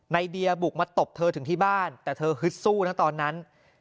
ในเดียบุกมาตบเธอถึงที่บ้านแต่เธอฮึดสู้นะตอนนั้น